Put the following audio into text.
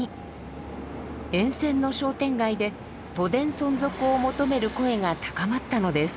沿線の商店街で都電存続を求める声が高まったのです。